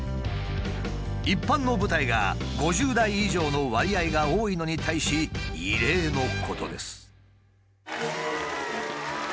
一般の舞台が５０代以上の割合が多いのに対し異例のことです。